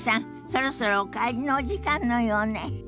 そろそろお帰りのお時間のようね。